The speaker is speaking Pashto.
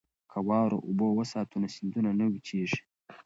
که واوره اوبه وساتو نو سیندونه نه وچیږي.